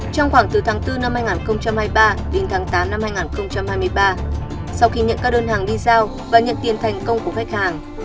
trong khoảng từ tháng bốn năm hai nghìn hai mươi ba đến tháng tám năm hai nghìn hai mươi ba sau khi nhận các đơn hàng đi giao và nhận tiền thành công của khách hàng